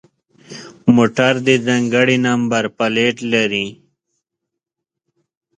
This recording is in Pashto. موټر د ځانگړي نمبر پلیت لري.